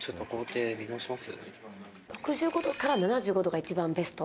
「６５度から７５度が一番ベスト」